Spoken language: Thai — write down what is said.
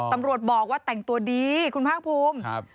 ตำรวจบอกว่าแต่งตัวดีคุณภาคภูมิ